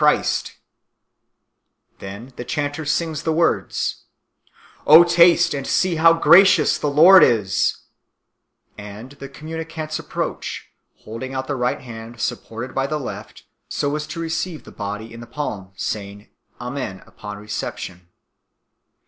Christ/ Then the chanter sings the words, " O taste and see how gracious the Lord is," and the communicants approach, holding out the right hand supported by the left, so as to receive the Body in the palm, saying Amen upon reception.